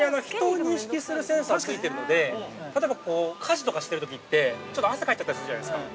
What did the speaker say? ◆ちなみに人を認識するセンサーがついているので、例えば、家事とかしてるときって、汗かいたりするじゃないですか。